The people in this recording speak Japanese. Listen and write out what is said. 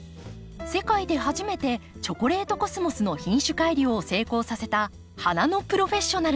世界で初めてチョコレートコスモスの品種改良を成功させた花のプロフェッショナルです。